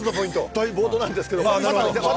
ボードなんですけれども。